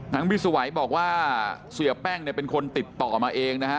พี่สวัยบอกว่าเสียแป้งเนี่ยเป็นคนติดต่อมาเองนะฮะ